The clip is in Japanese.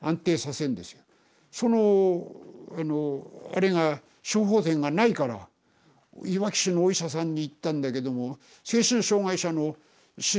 そのあのあれが処方箋がないからいわき市のお医者さんに行ったんだけども精神障害者のお医者さん